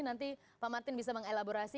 nanti pak martin bisa mengelaborasi